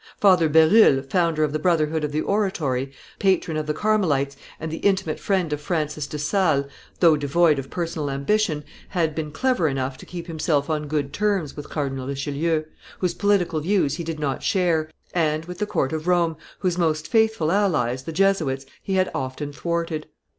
Father Berulle, founder of the brotherhood of the Oratory, patron of the Carmelites, and the intimate friend of Francis de Sales, though devoid of personal ambition, had, been clever enough to keep himself on good terms with Cardinal Richelieu, whose political views he did not share, and with the court of Rome, whose most faithful allies, the Jesuits, he had often thwarted.